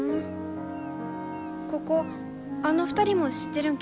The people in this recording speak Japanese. ここあの２人も知ってるんけ？